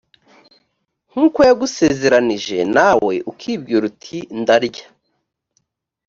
nk’uko yagusezeranije nawe ukibwira uti ndarya